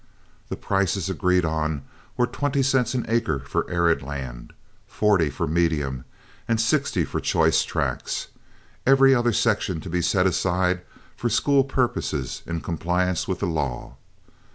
The prices agreed on were twenty cents an acre for arid land, forty for medium, and sixty for choice tracts, every other section to be set aside for school purposes in compliance with the law.